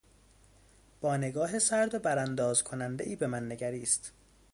با نگاه سرد و برانداز کنندهای به من نگریست.